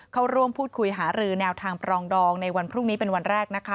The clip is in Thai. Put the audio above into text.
เข้าร่วมพูดคุยหารือแนวทางปรองดองในวันพรุ่งนี้เป็นวันแรกนะคะ